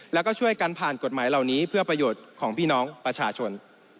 แล้วก็ช่วยกันผ่านกฎหมายเหล่านี้เพื่อประโยชน์ของพี่น้องประชาชน